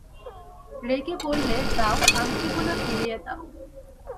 রেগে বললে, দাও, আংটিগুলো ফিরিয়ে দাও।